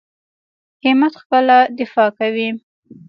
همت خپله دفاع کوي.